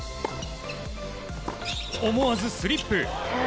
思わずスリップ！